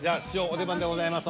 お出番でございます。